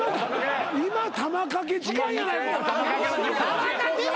今玉掛け時間やないか。